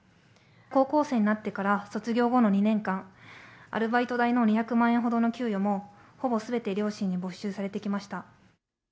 高校生になってから卒業後の２年間、アルバイト代の２００万円ほどの給与も、ほぼすべて両親に没収されてきました。